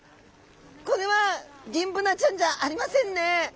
これはギンブナちゃんじゃありませんね。